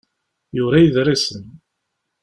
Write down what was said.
yura iḍrisen.